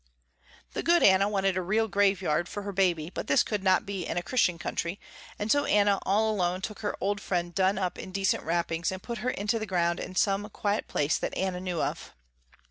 The good Anna wanted a real graveyard for her Baby, but this could not be in a Christian country, and so Anna all alone took her old friend done up in decent wrappings and put her into the ground in some quiet place that Anna knew of.